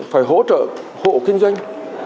phải hỗ trợ hộ kinh doanh